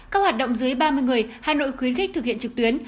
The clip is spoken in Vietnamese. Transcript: các hoạt động dưới ba mươi người hà nội khuyến khích thực hiện trực tuyến